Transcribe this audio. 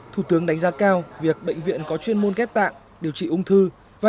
thủ tướng đánh giá cao việc bệnh viện có chuyên môn ghép tạng điều trị ung thư và